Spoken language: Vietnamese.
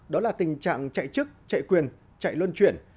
đó là tình trạng chạy chức chạy quyền chạy luân chuyển